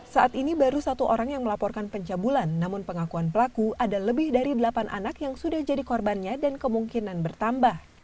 saat ini baru satu orang yang melaporkan pencabulan namun pengakuan pelaku ada lebih dari delapan anak yang sudah jadi korbannya dan kemungkinan bertambah